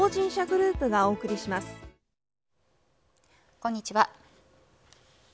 こんにちは。